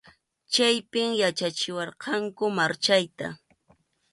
Chaypi yachachiwarqanku marchayta.